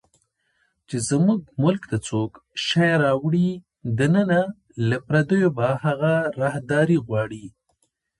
چې زموږ ملک ته څوک شی راوړي دننه، له پردیو به هغه راهداري غواړي